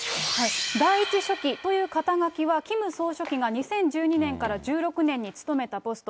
第１書記という肩書はキム総書記が２０１２年から１６年に務めたポスト。